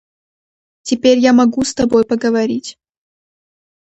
Теперь я могу с тобой поговорить.